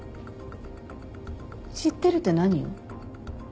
知ってるって何を？